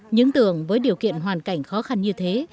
nhưng tưởng với điều kiện hoàn cảnh khó khăn như thế